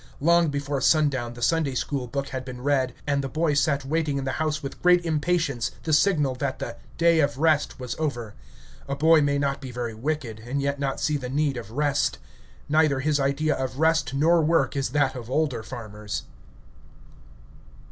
Long before sundown the Sunday school book had been read, and the boy sat waiting in the house with great impatience the signal that the "day of rest" was over. A boy may not be very wicked, and yet not see the need of "rest." Neither his idea of rest nor work is that of older farmers.